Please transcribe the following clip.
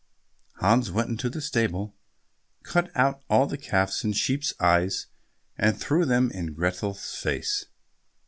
Hans went into the stable, cut out all the calves' and sheep's eyes, and threw them in Grethel's face.